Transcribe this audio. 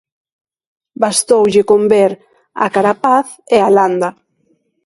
Bastoulle con ver a Carapaz e a Landa.